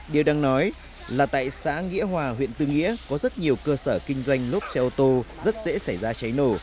điều đang nói là tại xã nghĩa hòa huyện tư nghĩa có rất nhiều cơ sở kinh doanh lốp xe ô tô rất dễ xảy ra cháy nổ